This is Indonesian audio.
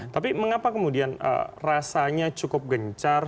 tapi mengapa kemudian rasanya cukup gencar